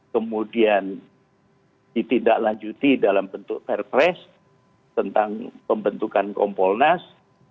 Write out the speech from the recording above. kemudian ditindaklanjuti dalam bentuk fair press tentang pembentukan kompolnas